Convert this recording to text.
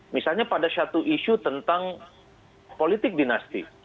misalnya pada satu isu tentang politik dinasti